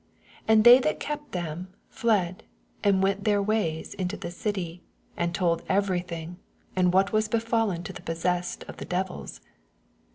83 And they that kej>t them, fled, and went their ways mto the dty, and told every thing, and what was befallen to the posseraed of the devils.